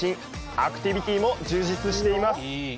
アクティビティも充実しています。